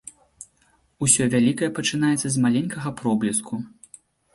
Усё вялікае пачынаецца з маленькага пробліску.